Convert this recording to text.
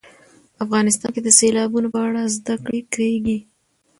افغانستان کې د سیلابونه په اړه زده کړه کېږي.